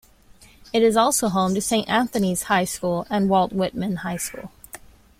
It is also home to Saint Anthony's High School and Walt Whitman High School.